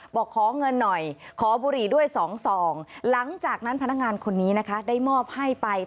บอกขอเงินหน่อยขอบุหรี่ด้วย๒ซองหลังจากนั้นพนักงานคนนี้นะคะได้มอบให้ไป